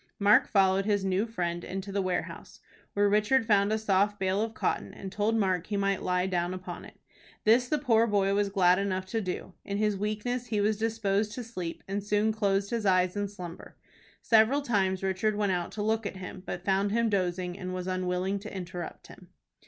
Mark followed his new friend into the warehouse, where Richard found a soft bale of cotton, and told Mark he might lie down upon it. This the poor boy was glad enough to do. In his weakness he was disposed to sleep, and soon closed his eyes in slumber. Several times Richard went out to look at him, but found him dozing, and was unwilling to interrupt him.